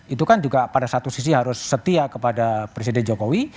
itu kan juga pada satu sisi harus setia kepada presiden jokowi